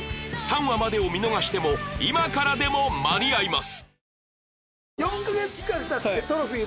３話までを見逃しても今からでも間に合います！